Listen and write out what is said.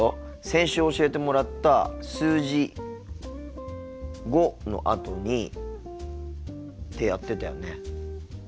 先週教えてもらった数字「５」のあとにってやってたよね。